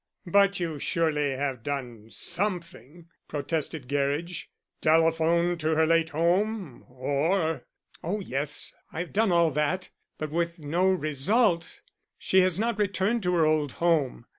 "But you surely have done something," protested Gerridge. "Telephoned to her late home or " "Oh yes, I have done all that, but with no result. She has not returned to her old home.